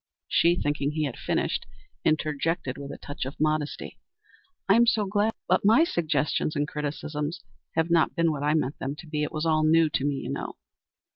She, thinking he had finished, interjected with a touch of modesty, "I'm so glad. But my suggestions and criticisms have not been what I meant them to be. It was all new to me, you know."